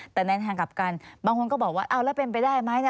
แต่ในทางกลับกันบางคนก็บอกว่าเอาแล้วเป็นไปได้ไหม